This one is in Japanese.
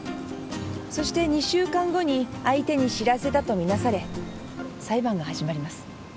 そして２週間後に相手に知らせたと見なされ裁判が始まります。